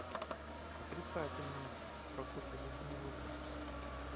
Отрицательно, Прокофья Людмиловна.